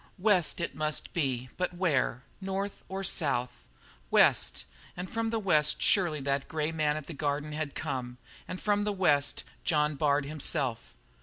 West it must be, but where? North or South? West, and from the West surely that grey man at the Garden had come, and from the West John Bard himself.